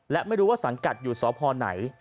และไม่รู้ว่าสังกัดอยู่สพไหน